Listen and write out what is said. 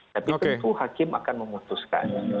tapi tentu hakim akan memutuskan